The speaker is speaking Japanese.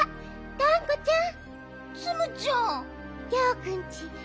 がんこちゃん？